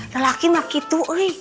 lelaki maki tukri